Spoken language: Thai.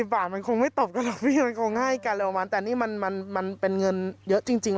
๖๐บาทมันคงไม่ตบกันหรอกพี่มันคงให้กันแต่นี่มันเป็นเงินเยอะจริง